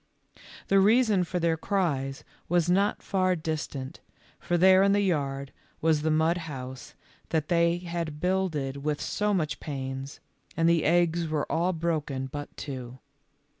The reason for their cries was not far distant, for there in the yard was the mud house that they had builded with so much pains, and the eggs were all broken but two.